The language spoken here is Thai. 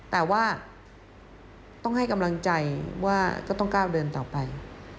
แต่ว่าต้องให้กำลังใจว่าก็ต้องก้าวเดินต่อไป